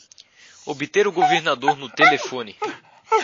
Obter o governador no telefone!